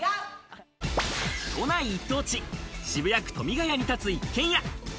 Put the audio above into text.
都内一等地、渋谷区富ヶ谷にたつ一軒家。